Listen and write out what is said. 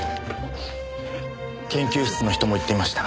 研究室の人も言っていました。